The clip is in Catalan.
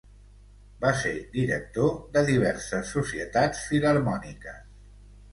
Va ser director de diverses Societats Filharmòniques.